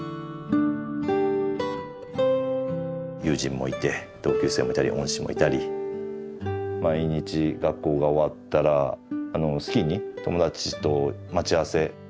友人もいて同級生もいたり恩師もいたり毎日学校が終わったらスキーに友達と待ち合わせ。